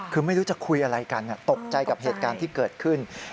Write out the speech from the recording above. คือไม่รู้จะคุยอะไรกันตกใจกับเหตุการณ์ที่เกิดขึ้น